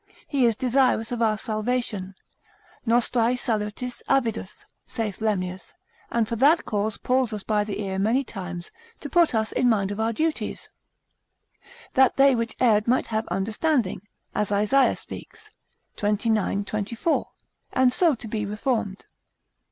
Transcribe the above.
He is desirous of our salvation. Nostrae salutis avidus, saith Lemnius, and for that cause pulls us by the ear many times, to put us in mind of our duties: That they which erred might have understanding, (as Isaiah speaks xxix. 24) and so to be reformed.